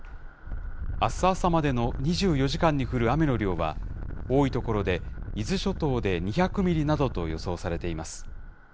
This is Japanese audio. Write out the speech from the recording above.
あす朝までの２４時間に降る雨の量は、多い所で、伊豆諸島で２００ミリなどと予想されています。